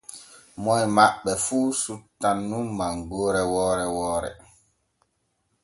Moy maɓɓe fu suttan nun mangoore woore woore.